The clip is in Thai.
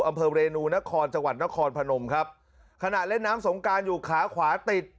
อำเภอเรนูนครจังหวัดนครพนมครับขณะเล่นน้ำสงการอยู่ขาขวาติด